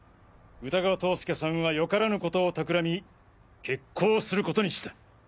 歌川塔介さんはよからぬことを企み決行することにした。